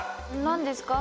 何ですか？